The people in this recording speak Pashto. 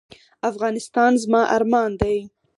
افغانستان زما ارمان دی